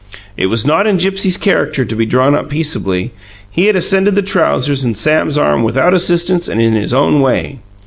It was not in Gipsy's character to be drawn up peaceably; he had ascended the trousers and Sam's arm without assistance and in his own way.